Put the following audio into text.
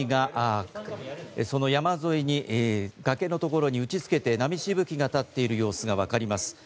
その山沿いに崖のところに打ち付けて波しぶきが立っている様子がわかります。